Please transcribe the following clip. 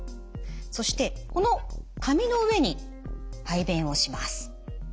そしてこの紙の上に排便をします。